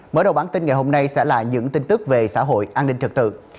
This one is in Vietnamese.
mở đầu bản tin ngày hôm nay sẽ là những tin tức về xã hội an ninh trật tự